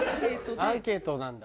アンケートで。